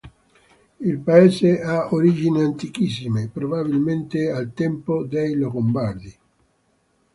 Il paese ha origini antichissime, probabilmente al tempo dei longobardi.